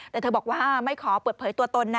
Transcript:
แต่เธอบอกว่าไม่ขอเปิดเผยตัวตนนะ